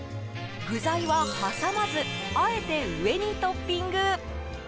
具材は挟まずあえて上にトッピング。